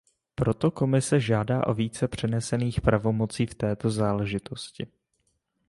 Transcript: Proto Komise žádá o více přenesených pravomocí v této záležitosti.